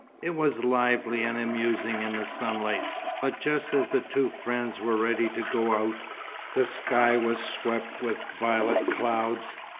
It was lively and amusing in the sunlight; but just as the two friends were ready to go out, the sky was swept with violet clouds.